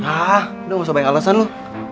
hah udah gak usah banyak alasan lo